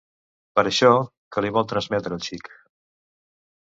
Per això, que li vol transmetre el xic?